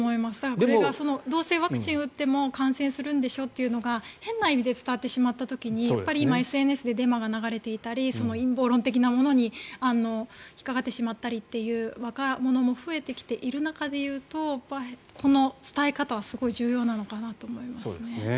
これがどうせワクチンを打っても感染するんでしょというのが変な意味で伝わってしまった時に今ＳＮＳでデマが流れていたり陰謀論的なものに引っかかってしまったりっていう若者も増えてきている中で言うとこの伝え方はすごい重要なのかなと思います。